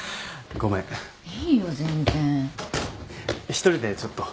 一人でちょっと。